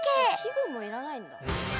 季語もいらないんだ。